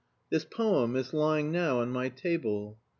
This poem is lying now on my table.